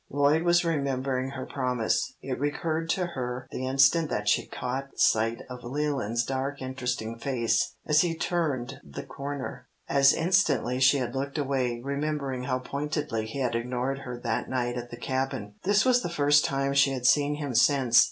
Lloyd was remembering her promise. It recurred to her the instant that she caught sight of Leland's dark interesting face as he turned the corner. As instantly she had looked away, remembering how pointedly he had ignored her that night at the Cabin. This was the first time she had seen him since.